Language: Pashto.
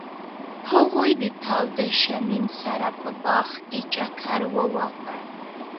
هغوی د تاوده شمیم سره په باغ کې چکر وواهه.